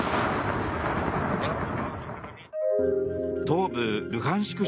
東部ルハンシク